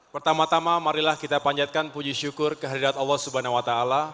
pertama tama marilah kita panjatkan puji syukur kehadirat allah swt